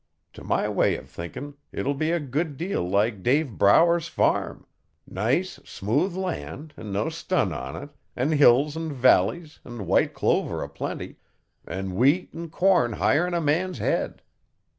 To my way o' thinkin' it'll be a good deal like Dave Brower's farm nice, smooth land and no stun on it, an' hills an' valleys an' white clover aplenty, an' wheat an' corn higher'n a man's head.